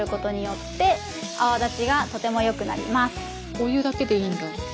お湯だけでいいんだ。